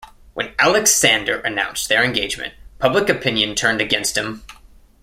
When Aleksandar announced their engagement, public opinion turned against him.